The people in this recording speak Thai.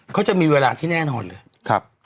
เขาจะมีเวลาที่แน่นอนเลย